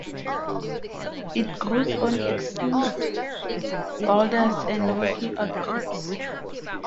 It grows on exposed boulders and rocky outcrops.